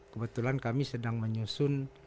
kebetulan kami sedang menyusun